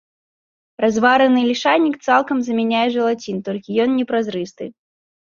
Развараны лішайнік цалкам замяняе жэлацін, толькі ён непразрысты.